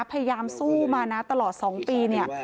พยายามสู้มาตลอด๒ปี